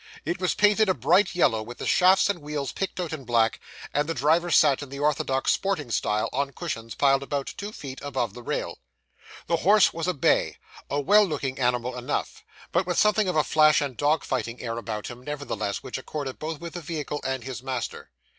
It was painted a bright yellow, with the shafts and wheels picked out in black; and the driver sat in the orthodox sporting style, on cushions piled about two feet above the rail. The horse was a bay, a well looking animal enough; but with something of a flash and dog fighting air about him, nevertheless, which accorded both with the vehicle and his master.